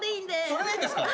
それでいいんですか？